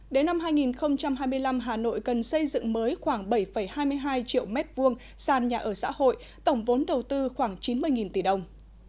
đến năm hai nghìn hai mươi năm hà nội cần xây dựng mới khoảng bảy hai mươi hai triệu m hai sàn nhà ở xã hội tổng vốn đầu tư khoảng chín mươi tỷ đồng